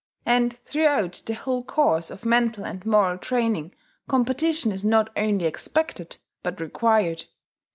And throughout the whole course of mental and moral training competition is not only expected, but required.